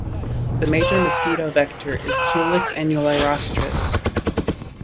The major mosquito vector is "Culex annulirostris".